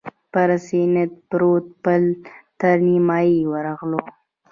پر سیند پروت پل تر نیمايي ورغلو.